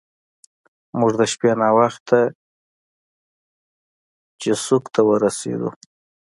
موږ د شپې ناوخته چیسوک ته ورسیدو.